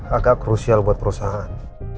agak krusial buat perusahaan